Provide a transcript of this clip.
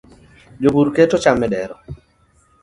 jopur keto cham e dero